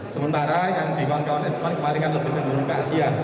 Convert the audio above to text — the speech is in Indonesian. sementara yang di kawan kawan eksman kemarin kan lebih cenderung ke asia